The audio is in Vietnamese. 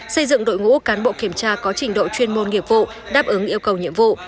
xây dựng đội ngũ cán bộ kiểm tra có trình độ chuyên môn nghiệp vụ đáp ứng yêu cầu nhiệm vụ